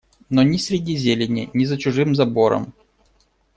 Но ни среди зелени, ни за чужим забором